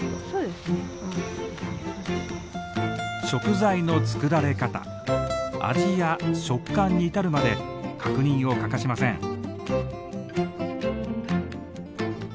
食材の作られ方味や食感に至るまで確認を欠かしません。